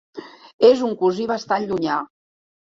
És un cosí bastant llunyà.